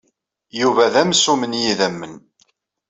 Yuba d amsumm n yidammen.